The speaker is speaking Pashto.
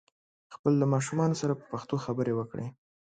خپل د ماشومانو سره په پښتو خبري وکړئ